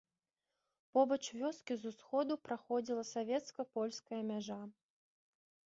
Побач вёскі з усходу праходзіла савецка-польская мяжа.